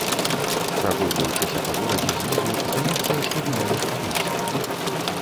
Прагульваючыся па горадзе знізу, здаецца, што гуляеш па лесе.